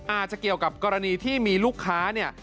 อาจจะเกี่ยวกับกรณีที่มีลูกค้าเนี่ย